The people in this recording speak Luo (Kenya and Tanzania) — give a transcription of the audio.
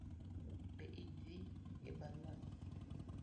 Be idi e bura no?